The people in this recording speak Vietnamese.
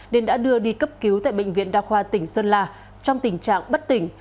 nên đã đưa đi cấp cứu tại bệnh viện đa khoa tỉnh sơn la trong tình trạng bất tỉnh